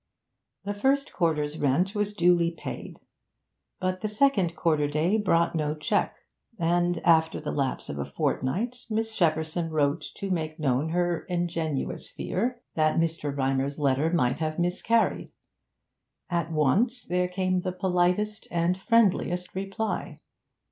The first quarter's rent was duly paid, but the second quarter day brought no cheque; and, after the lapse of a fortnight, Miss Shepperson wrote to make known her ingenuous fear that Mr. Rymer's letter might have miscarried. At once there came the politest and friendliest reply.